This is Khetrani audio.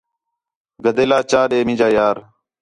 گدیلا چا ݙے مینجا یار